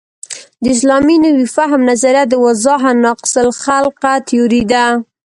د اسلامي نوي فهم نظریه واضحاً ناقص الخلقه تیوري ده.